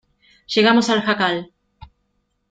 llegamos al jacal.